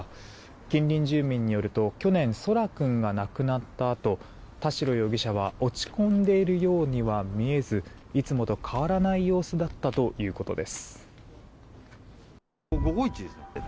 近隣住民によると去年、空来君が亡くなったあと田代容疑者は落ち込んでいるようには見えずいつもと変わらない様子だったということです。